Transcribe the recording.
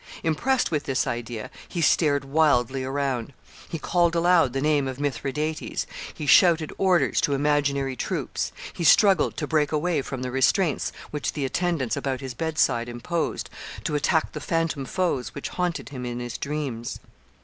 Impressed with this idea, he stared wildly around; he called aloud the name of Mithridates; he shouted orders to imaginary troops; he struggled to break away from the restraints which the attendants about his bedside imposed, to attack the phantom foes which haunted him in his dreams.